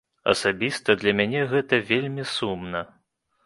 Асабіста для мяне гэта вельмі сумна.